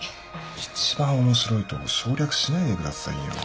一番面白いとこ省略しないでくださいよ。